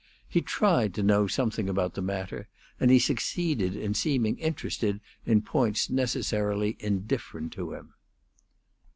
He tried to know something about the matter, and he succeeded in seeming interested in points necessarily indifferent to him.